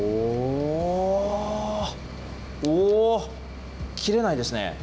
おー、切れないですね。